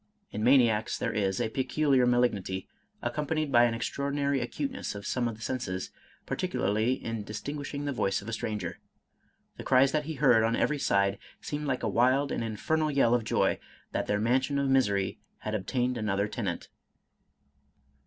In maniacs there is a peculiar malignity, accompanied by an extraordinary acuteness of some of the :senses, particularly in distinguishing the voice of a stranger. The cries that he heard on every side seemed like a wild and infernal yell of joy, that their mansion of misery had ob tained another tenant.